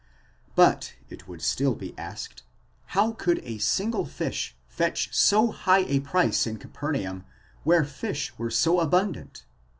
But, it would still be asked, how could a single fish fetch so high a price in Capernaum, where fish were so abundant?